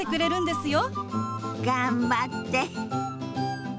頑張って。